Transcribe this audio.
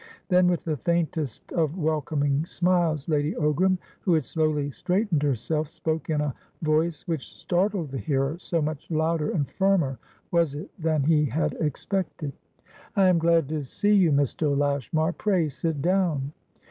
Then, with the faintest of welcoming smiles, Lady Ogramwho had slowly straightened herselfspoke in a voice which startled the hearer, so much louder and firmer was it than he had expected. "I am glad to see you, Mr. Lashmar. Pray sit down."